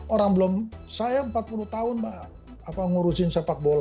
orang belum saya empat puluh tahun mbak ngurusin sepak bola